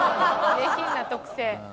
下品な特性。